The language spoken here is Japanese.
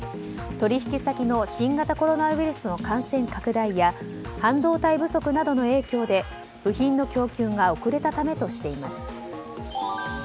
取引先の新型コロナウイルスの感染拡大や半導体不足などの影響で部品の供給が遅れたためとしています。